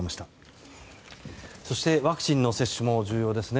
ワクチンの接種も重要ですね。